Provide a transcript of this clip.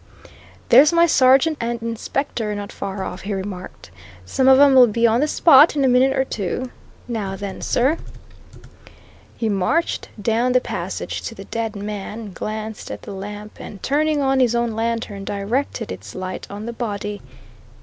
"There's my sergeant and inspector not far off," he remarked. "Some of 'em'll be on the spot in a minute or two. Now then, sir." He marched down the passage to the dead man, glanced at the lamp, and turning on his own lantern, directed its light on the body.